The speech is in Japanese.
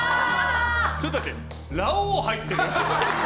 ちょっと待ってラオウ入ってる？